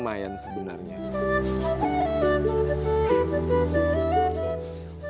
kebutuhan sekolah gajahwong